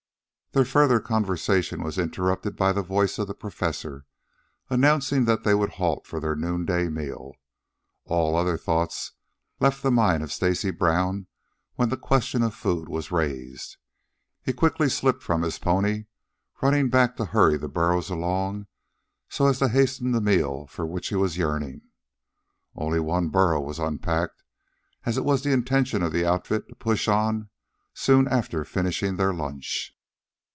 Their further conversation was interrupted by the voice of the Professor, announcing that they would halt for their noonday meal. All other thoughts left the mind of Stacy Brown when the question of food was raised. He quickly slipped from his pony, running back to hurry the burros along so as to hasten the meal for which he was yearning. Only one burro was unpacked, as it was the intention of the outfit to push on soon after finishing their lunch.